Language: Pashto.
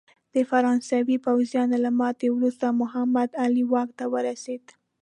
د فرانسوي پوځیانو له ماتې وروسته محمد علي واک ته ورسېد.